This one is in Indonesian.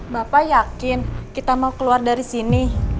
bapak yakin kita mau keluar dari sini